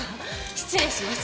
失礼します。